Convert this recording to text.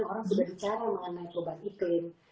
orang sudah bicara mengenai perubahan iklim